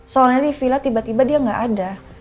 soalnya di villa tiba tiba dia gak ada